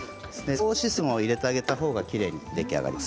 少し水分を入れてあげたほうがきれいに出来上がります。